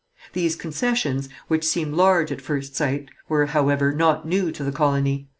These concessions, which seem large at first sight, were, however, not new to the colony.